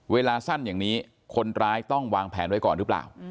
เวลาสั้นอย่างนี้คนร้ายต้องวางแผนไว้ก่อนหรือเปล่า